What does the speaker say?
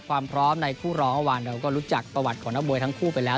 ความพร้อมในคู่รองเมื่อวานเราก็รู้จักประวัติของนักมวยทั้งคู่ไปแล้ว